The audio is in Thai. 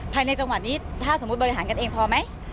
ภายในจังหวัดนี้ถ้าสมมุติบริหารกันเองพอไหม